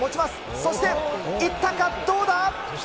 そしていったか、どうだ？